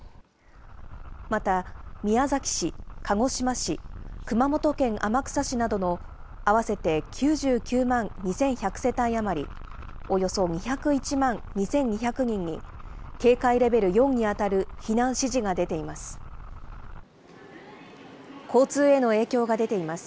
また宮崎市、鹿児島市、熊本県天草市などの、合わせて９９万２１００世帯余り、およそ２０１万２２００人に、警戒レベル４に当たる避難指示が出ています。